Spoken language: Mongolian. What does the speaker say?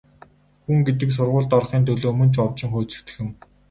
Хүн гэдэг сургуульд орохын төлөө мөн ч овжин хөөцөлдөх юм.